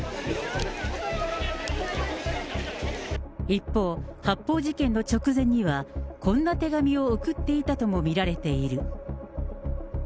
一方、発砲事件の直前には、こんな手紙を送っていたとも見られている。